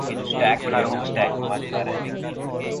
علم طبیعی کا ایک بنیادی شعبہ ہے